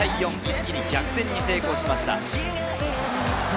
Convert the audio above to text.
一気に逆転に成功しました。